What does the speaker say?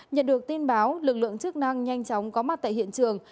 nhận được tin báo lực lượng chức năng nhanh chóng có mặt tại hiện trường